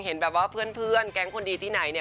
เห็นแบบว่าเพื่อนแก๊งคนดีที่ไหนเนี่ย